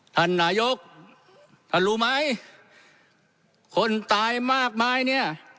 ท่านนายกท่านรู้ไหมคนตายมากมายเนี่ย